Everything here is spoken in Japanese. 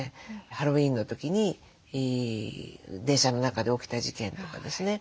ハロウィーンの時に電車の中で起きた事件とかですね。